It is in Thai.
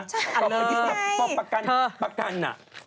ใช่อะไรนี่พอประกัน